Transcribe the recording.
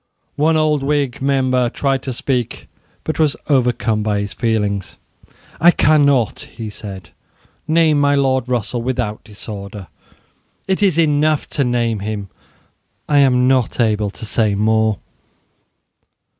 One old Whig member tried to speak, but was overcome by his feelings. "I cannot," he said, "name my Lord Russell without disorder. It is enough to name him. I am not able to say more."